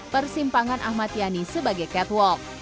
persimpangan ahmad yani sebagai catwalk